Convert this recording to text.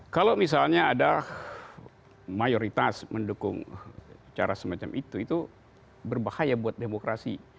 kalau misalnya ada mayoritas mendukung cara semacam itu itu berbahaya buat demokrasi